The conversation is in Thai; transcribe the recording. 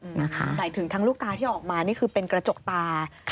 หมายถึงทั้งลูกตาที่ออกมานี่คือเป็นกระจกตา